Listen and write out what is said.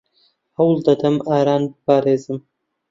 ھەوڵ دەدەم ئاران بپارێزم.